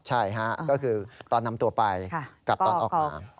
ใช่ฮะก็คือตอนนำตัวไปกลับตอนออกมา